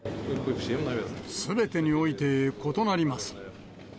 すべてにおいて異なります。